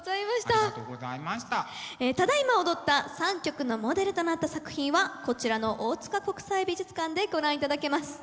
ただいま踊った３曲のモデルとなった作品はこちらの大塚国際美術館でご覧いただけます。